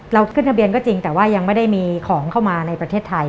ขึ้นทะเบียนก็จริงแต่ว่ายังไม่ได้มีของเข้ามาในประเทศไทย